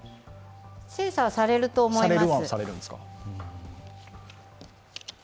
精査はされると思います。